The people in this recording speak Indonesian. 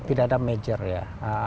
tidak ada major ya